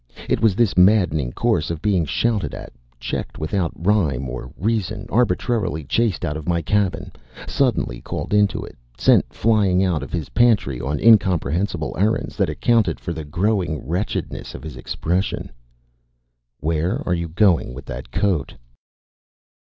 It was this maddening course of being shouted at, checked without rhyme or reason, arbitrarily chased out of my cabin, suddenly called into it, sent flying out of his pantry on incomprehensible errands, that accounted for the growing wretchedness of his expression. "Where are you going with that coat?"